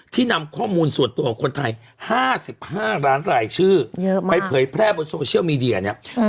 นำข้อมูลส่วนตัวของคนไทย๕๕ล้านรายชื่อไปเผยแพร่บนโซเชียลมีเดียเนี่ย